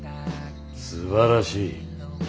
すばらしい。